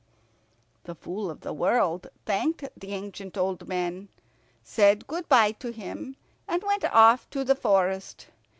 The Fool of the World thanked the ancient old man, said good bye to him, and went off to the forest.